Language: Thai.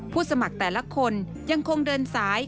สมัครแต่ละคนยังคงเดินสาย